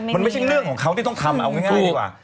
มันไม่ใช่เรื่องของเขาที่ต้องทำเอาง่ายดีกว่า